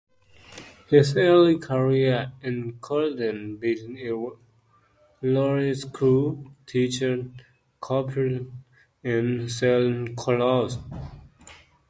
His early careers included being a lawyer, school teacher, coopering, and selling clocks.